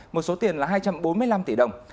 một số tiền là hai trăm bốn mươi năm tỷ đồng